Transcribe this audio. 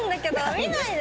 見ないで！